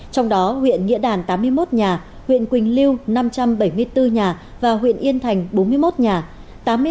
trong đó huyện nghĩa đàn tám mươi một nhà huyện quỳnh lưu năm trăm bảy mươi bốn nhà và huyện yên thành bốn mươi một nhà